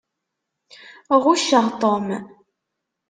Ɣucceɣ Tom.